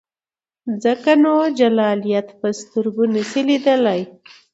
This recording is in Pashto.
ځکه نو جلالیت په سترګو نسې لیدلای.